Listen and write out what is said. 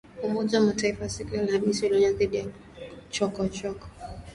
Umoja wa Mataifa siku ya Alhamis ulionya dhidi ya chokochoko